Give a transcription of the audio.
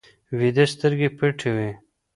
ویده سترګې پټې وي